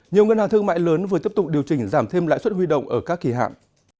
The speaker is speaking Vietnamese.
nhiều ngân hàng thương mại lớn vừa tiếp tục điều chỉnh giảm thêm lãi suất huy động ở các kỳ hạn